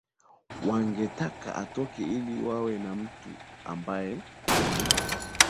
wangetaka atoke ili wawe na mtu ambae